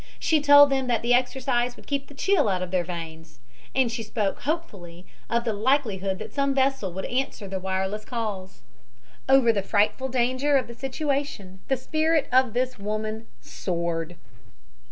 She told them that the exercise would keep the chill out of their veins, and she spoke hopefully of the likelihood that some vessel would answer the wireless calls. Over the frightful danger of the situation the spirit of this woman soared.